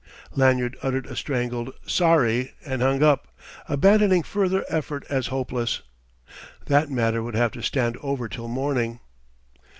Lanyard uttered a strangled "Sorry!" and hung up, abandoning further effort as hopeless. That matter would have to stand over till morning.